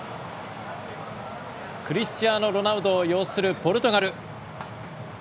クリスチアーノ・ロナウドを擁するポルトガル。